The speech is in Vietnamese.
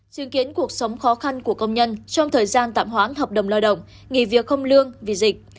chứng kiến cuộc sống khó khăn của công nhân trong thời gian tạm hoãn hợp đồng lao động nghỉ việc không lương vì dịch